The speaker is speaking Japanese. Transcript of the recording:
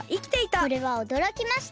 これはおどろきました。